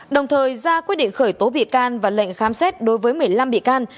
đồng thời ra quyết định khởi tố bị can và lệnh khám xét đối với một mươi năm bị can